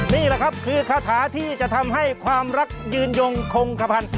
นี่แหละครับคือคาถาที่จะทำให้ความรักยืนยงคงขพันธ์